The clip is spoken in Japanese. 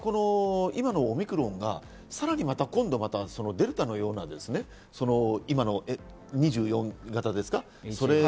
このオミクロンがさらにデルタのような、Ａ２４型ですか。